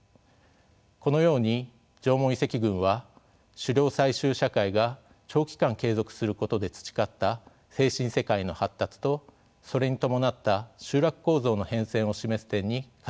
このように縄文遺跡群は狩猟採集社会が長期間継続することで培った精神世界の発達とそれに伴った集落構造の変遷を示す点に価値があるのです。